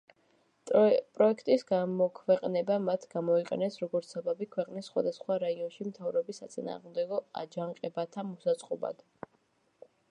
პროექტის გამოქვეყნება მათ გამოიყენეს როგორც საბაბი ქვეყნის სხვადასხვა რაიონში მთავრობის საწინააღმდეგო აჯანყებათა მოსაწყობად.